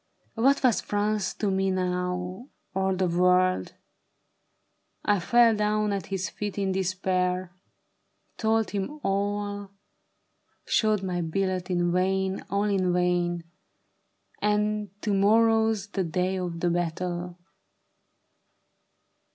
What was France to me now, Or the world ? I fell down at his feet in despair ; Told him all ; showed my billet — in vain, all in vain ! And to morrow's the day of the battle